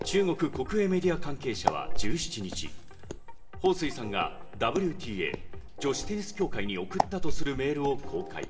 中国国営メディア関係者は１７日、ホウ・スイさんがＷＴＡ＝女子テニス協会に送ったとするメールを公開。